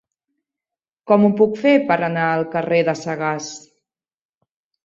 Com ho puc fer per anar al carrer de Sagàs?